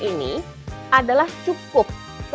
ini adalah cukup